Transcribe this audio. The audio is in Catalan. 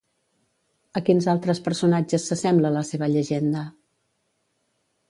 A quins altres personatges s'assembla la seva llegenda?